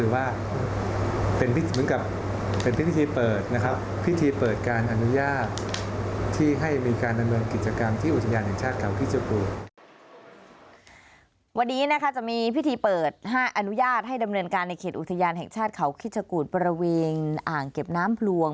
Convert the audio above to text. วันนี้นะคะจะมีพิธีเปิด๕อนุญาตให้ดำเนินการในเขตอุทยานแห่งชาติเขาคิชกูลบริเวณอ่างเก็บน้ำพลวง